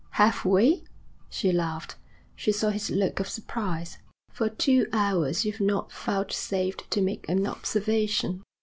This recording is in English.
'Have we?' she laughed. She saw his look of surprise. 'For two hours you've not vouchsafed to make an observation.'